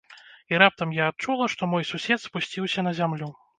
І раптам я адчула, што мой сусед спусціўся на зямлю.